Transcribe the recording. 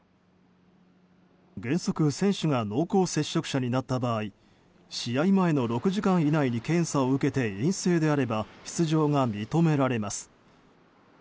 原則、選手が濃厚接触者になった場合試合前の６時間以内に検査を受けて陰性であれば出場が認められます。